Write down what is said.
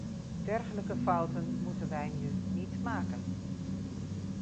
Dergelijke fouten moeten wij nu niet maken.